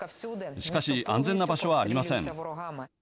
しかし安全な場所はありません。